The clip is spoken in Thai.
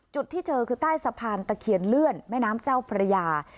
จุดที่เจอคือใต้สะพานตะเคียนเลื่อนแม่น้ำเจ้าพระยา